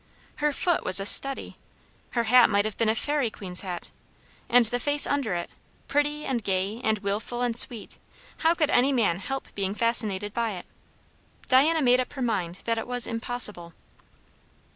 Her foot was a study. Her hat might have been a fairy queen's hat. And the face under it, pretty and gay and wilful and sweet, how could any man help being fascinated by it? Diana made up her mind that it was impossible.